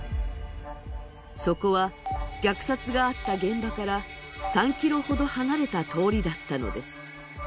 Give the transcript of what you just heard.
そこは虐殺があった現場から３ｋｍほど離れた通りだったのです。